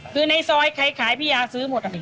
คือในซอยใครขายพี่ยาซื้อหมด